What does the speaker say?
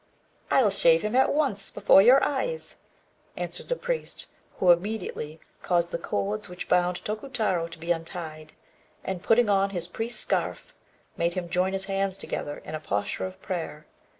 "I'll shave him at once, before your eyes," answered the priest, who immediately caused the cords which bound Tokutarô to be untied, and, putting on his priest's scarf, made him join his hands together in a posture of prayer.